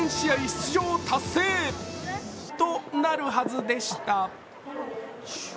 出場達成となるはずでした。